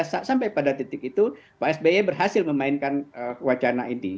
sampai pada titik itu pak sby berhasil memainkan wacana ini